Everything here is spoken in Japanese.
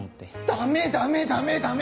ダメダメダメダメ！